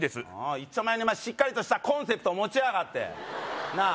いっちょまえにしっかりとしたコンセプトを持ちやがってなあ